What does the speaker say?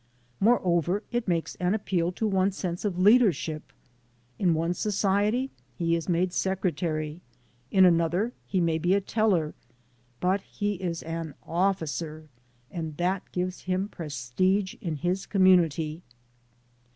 Moreover, it makes an appeal to one's sense of leadership. In one society he is made secretary, in an other he may be a teller, but he is an "officer," and that gives him prestige in his community.